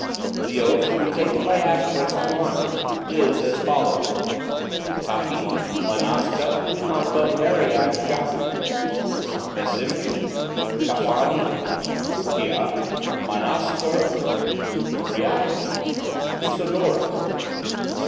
The oath, to be taken by aspirants to honors, is as follows: "Kaki manaska quihampu miriac jakku, mesimbrii caphani crukkia, manaskar quebriac krusondora."